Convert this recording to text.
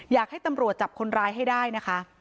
อยากให้ตำรวจจับคนร้ายให้ได้นะคะ